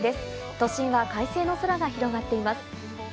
都心は快晴の空が広がっています。